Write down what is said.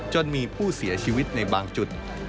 จนมีผู้เสียชีวิตในบางจุด